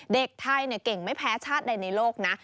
เด็กไทยเก่งไม่แพ้ชาติใดในโลกนะ